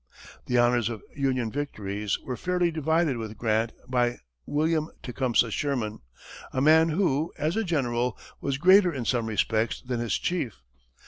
The honors of Union victories were fairly divided with Grant by William Tecumseh Sherman, a man who, as a general, was greater in some respects than his chief.